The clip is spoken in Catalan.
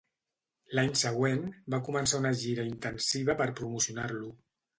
L'any següent, va començar una gira intensiva per promocionar-lo.